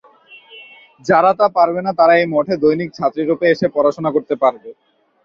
যারা তা পারবে না, তারা এই মঠে দৈনিক ছাত্রী-রূপে এসে পড়াশুনা করতে পারবে।